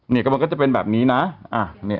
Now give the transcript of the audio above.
เนี่ยก็มันก็จะเป็นแบบนี้นะอ่าเนี่ย